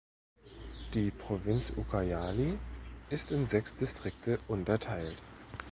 Die Provinz Ucayali ist in sechs Distrikte unterteilt.